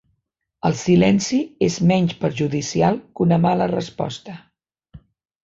El silenci és menys perjudicial que una mala resposta.